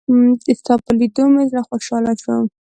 ستا په لېدو مې زړه خوشحاله شو.